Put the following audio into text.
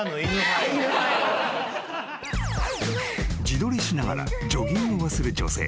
［自撮りしながらジョギングをする女性］